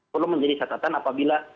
perlu menjadi catatan apabila